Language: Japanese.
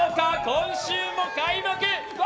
今週も開幕！笑